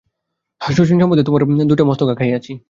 শচীশ সম্বন্ধে গোড়াতেই আমি দুইটা মস্ত ঘা খাইয়াছি।